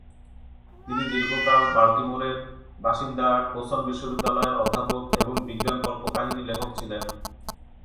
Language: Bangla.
তিনি দীর্ঘকাল বাল্টিমোরের বাসিন্দা, টোসন বিশ্ববিদ্যালয়ের অধ্যাপক এবং বিজ্ঞান কল্পকাহিনী লেখক ছিলেন।